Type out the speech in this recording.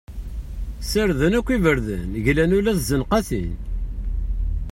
Ssarden akk iberdan, glan ula s tzenqatin.